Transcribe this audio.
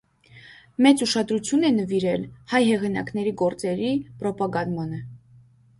Մեծ ուշադրություն է նվիրել հայ հեղինակների գործերի պրոպագանդմանը։